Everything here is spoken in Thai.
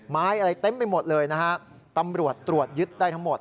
ไม้อะไรเต็มไปหมดเลยนะฮะตำรวจตรวจยึดได้ทั้งหมด